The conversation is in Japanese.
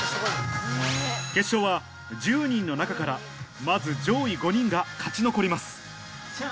決勝は１０人の中からまず上位５人が勝ち残ります